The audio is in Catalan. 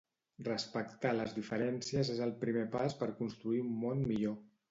Respectar les diferències és el primer pas per construir un món millor.